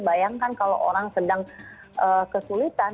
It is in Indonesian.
bayangkan kalau orang sedang kesulitan